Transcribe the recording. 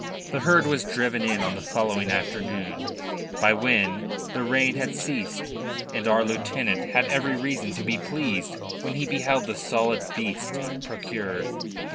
The herd was driven in on the following afternoon, by when the rain had ceased, and our lieutenant had every reason to be pleased when he beheld the solid beasts procured.